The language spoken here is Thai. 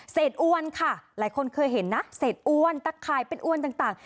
อ้วนค่ะหลายคนเคยเห็นนะเศษอ้วนตะข่ายเป็นอ้วนต่าง